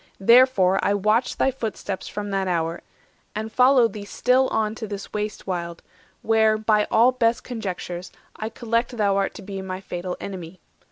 Therefore I watched thy footsteps from that hour, And followed thee still on to this waste wild, Where, by all best conjectures, I collect Thou art to be my fatal enemy.